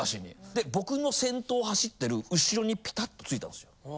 で僕の先頭走ってる後ろにピタっとついたんですよ。